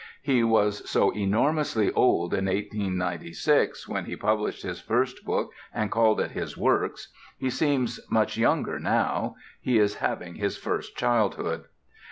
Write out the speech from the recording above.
He was so enormously old in 1896, when he published his first book and called it his Works; he seems much younger now: he is having his first childhood.